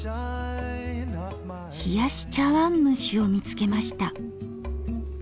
冷やし茶わんむしを見つけました。